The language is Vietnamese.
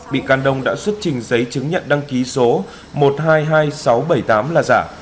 bị can đông đã xuất trình giấy chứng nhận đăng ký số một trăm hai mươi hai nghìn sáu trăm bảy mươi tám là giả